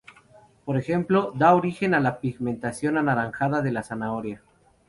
Por ejemplo, da origen a la pigmentación anaranjada de la zanahoria.